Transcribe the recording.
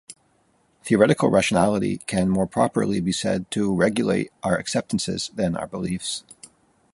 Theoretical rationality can more properly be said to regulate our acceptances than our beliefs.